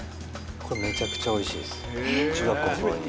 これ、めちゃくちゃおいしいです。